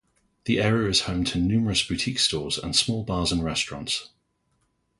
The area is home to numerous boutique stores and small bars and restaurants.